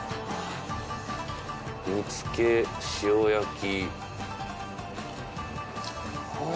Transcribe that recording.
煮付け塩焼き。